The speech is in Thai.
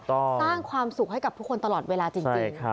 สร้างความสุขให้กับทุกคนตลอดเวลาจริง